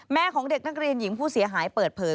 ของเด็กนักเรียนหญิงผู้เสียหายเปิดเผย